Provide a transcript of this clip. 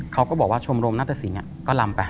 เขาก็บอกว่าชมรมนัตตสินก็ลำไป